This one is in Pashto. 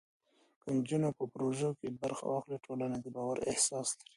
که نجونې په پروژو کې برخه واخلي، ټولنه د باور احساس لري.